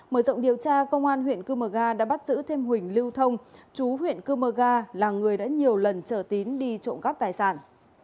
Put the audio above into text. mở rộng điều tra công an huyện cư mơ ga đã bắt giữ thêm huỳnh lưu thông chú huyện cư mơ ga là người đã nhiều lần chở tín đi trộm gắp tài sản